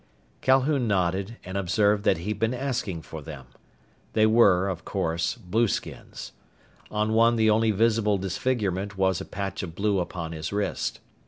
Calhoun nodded, and observed that he'd been asking for them. They were, of course, blueskins. On one the only visible disfigurement was a patch of blue upon his wrist.